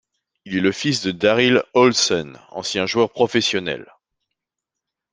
Il est le fils de Darryl Olsen ancien joueur professionnel.